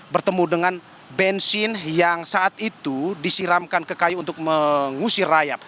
bertemu dengan bensin yang saat itu disiramkan ke kayu untuk mengusir rayap